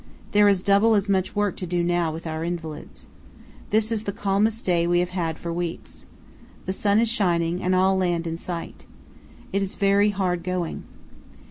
There is double as much work to do now with our invalids. This is the calmest day we have had for weeks. The sun is shining and all land in sight. It is very hard going.